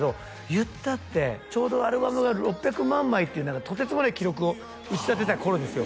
いったってちょうどアルバムが６００万枚っていう何かとてつもない記録を打ち立てた頃ですよ